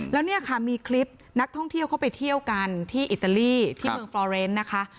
แล้วเนี่ยค่ะมีคลิปนักท่องเที่ยวเข้าไปเที่ยวกันที่อิตาลีที่เมืองฟลอเรนนะคะ